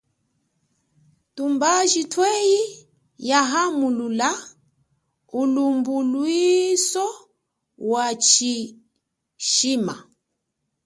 Tumbaji twenyi yaamuhula ulumbunwiso wa chishima.